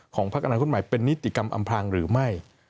ของพระการณาคตหมายเป็นนิติกรรมอำพลังหรือไม่